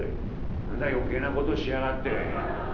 「何だ余計な事しやがって。